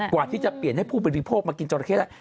กว่าที่จะเปลี่ยนให้ผู้บริโภคมากินจราเข้ได้